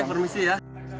saya permisi ya